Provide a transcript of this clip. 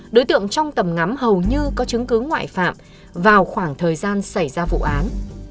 đối tượng trong tầm ngắm hầu như có chứng cứ ngoại phạm vào khoảng thời gian xảy ra vụ án